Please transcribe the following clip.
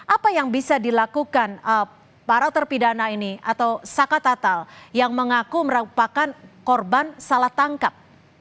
apa yang bisa dilakukan para terpidana ini atau saka tatal yang mengaku merupakan korban salah tangkap